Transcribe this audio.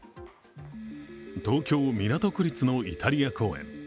東京・港区立のイタリア公園。